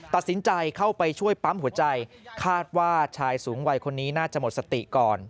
ตัดสินใจเข้าไปช่วยปั๊มหัวใจคาดว่าชายสูงวัยคนนี้น่าจะหมดสติก่อน